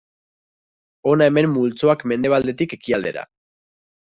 Hona hemen multzoak mendebaldetik ekialdera.